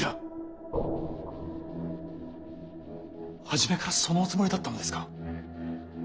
初めからそのおつもりだったのですか。